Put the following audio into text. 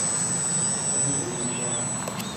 四川农村的道路和水塘旁常能见到石敢当。